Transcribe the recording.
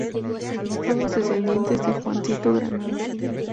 Todos descendientes de Juancito Granados.